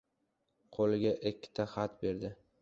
Qo‘liga ikkita xat berdi.